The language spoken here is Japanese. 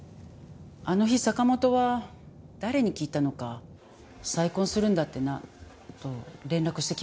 あの日坂本は誰に聞いたのか「再婚するんだってな？」と連絡してきました。